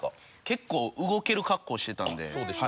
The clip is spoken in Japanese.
結構動ける格好してたんで。